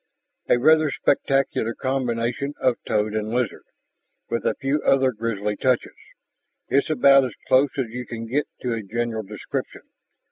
"A rather spectacular combination of toad and lizard, with a few other grisly touches, is about as close as you can get to a general description.